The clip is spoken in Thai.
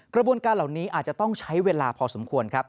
กระบวนการเหล่านี้อาจจะต้องใช้เวลาพอสมควรครับ